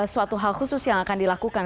suatu hal khusus yang akan dilakukan